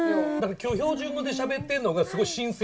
今日標準語でしゃべってんのがすごい新鮮な。